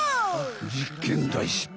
実験大失敗！